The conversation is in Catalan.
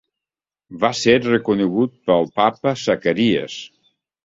Va ser reconegut pel Papa Zacaries.